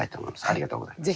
ありがとうございます。